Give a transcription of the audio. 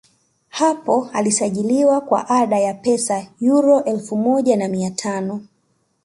hapo alisajiliwa kwa ada ya pesa yuro elfu moja na mia tano